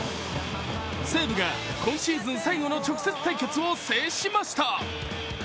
西武が、今シーズン最後の直接対決を制しました。